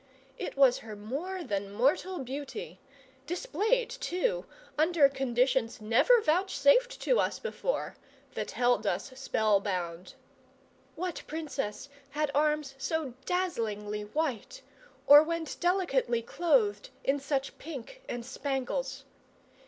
It was her more than mortal beauty displayed, too, under conditions never vouchsafed to us before that held us spell bound. What princess had arms so dazzlingly white, or went delicately clothed in such pink and spangles?